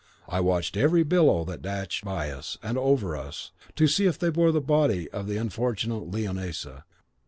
I watched every billow that dashed by us and over us, to see if they bore the body of the unfortunate Leonisa.